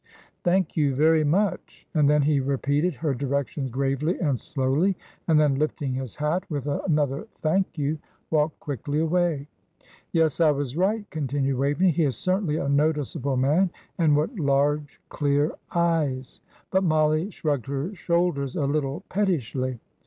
"Thank you very much;" and then he repeated her directions gravely and slowly; and then, lifting his hat with another "Thank you," walked quickly away. "Yes, I was right," continued Waveney; "he is certainly a noticeable man; and what large, clear eyes." But Mollie shrugged her shoulders a little pettishly.